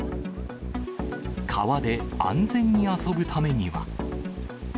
川で安全に遊ぶためには。